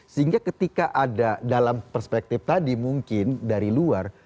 sehingga ketika ada dalam perspektif tadi mungkin dari luar